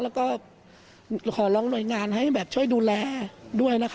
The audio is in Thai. แล้วก็ขอร้องหน่วยงานให้แบบช่วยดูแลด้วยนะคะ